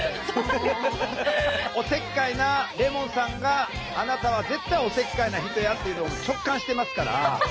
おせっかいなレモンさんがあなたは絶対おせっかいな人やっていうのを直感してますから。